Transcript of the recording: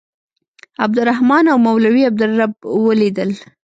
عبدالرحمن او مولوي عبدالرب ولیدل.